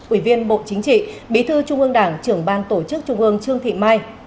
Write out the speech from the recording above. ủy viên bộ chính trị bí thư trung ương đảng trưởng ban tổ chức trung ương trương thị mai